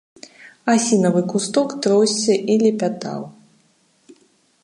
Асінавы кусток тросся і лепятаў.